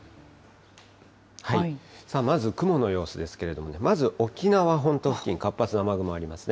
まず、雲の様子ですけれども、まず沖縄本島付近、活発な雨雲ありますね。